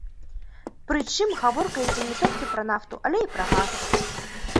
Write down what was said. Прычым, гаворка ідзе не толькі пра нафту, але і пра газ.